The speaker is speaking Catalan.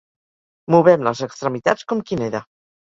Movem les extremitats com qui neda.